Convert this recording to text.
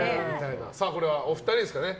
これはお二人ですかね。